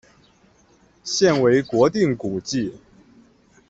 现为国定古迹。